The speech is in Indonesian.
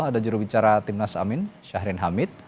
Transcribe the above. ada jurubicara timnas amin syahrin hamid